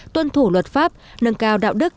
tuân thủ luật pháp nâng cao đạo đức